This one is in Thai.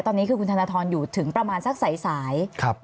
ตอนนี้คือคุณธนทรอยู่ถึงประมาณสักสาย